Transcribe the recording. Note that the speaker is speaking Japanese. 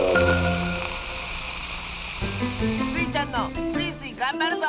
スイちゃんの「スイスイ！がんばるぞ」